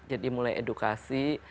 jadi mulai edukasi